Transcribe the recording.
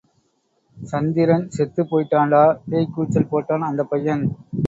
சந்திரன் செத்துப் போயிட்டாண்டா பேய்க் கூச்சல் போட்டான் அந்தப் பையன்.